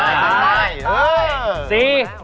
สายใต้